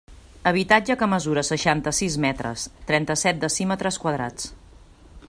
Habitatge que mesura seixanta-sis metres, trenta-set decímetres quadrats.